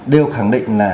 đều khẳng định là